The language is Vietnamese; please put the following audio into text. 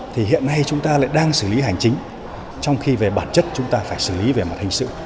thì hiện nay chúng ta lại đang xử lý hành chính trong khi về bản chất chúng ta phải xử lý về mặt hình sự